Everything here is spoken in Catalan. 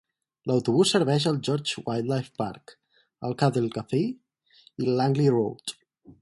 L'autobús serveix el Gorge Wildlife Park, el Cudlee Cafe i Langley Road.